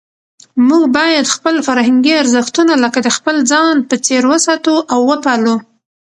موږ باید خپل فرهنګي ارزښتونه لکه د خپل ځان په څېر وساتو او وپالو.